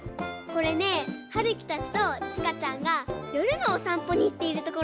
これねはるきたちとちかちゃんがよるのおさんぽにいっているところです。